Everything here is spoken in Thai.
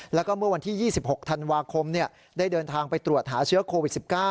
แล้วก็เมื่อวันที่๒๖ธันวาคมได้เดินทางไปตรวจหาเชื้อโควิด๑๙